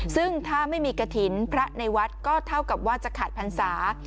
ซึ่งถ้าไม่มีกระถิ่นพระในวัดก็เท่ากับว่าจะขาดพรรษา